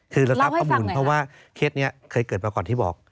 คือเราทราบข้อมูลเพราะว่าเคสนี้เคยเกิดมาก่อนที่บอก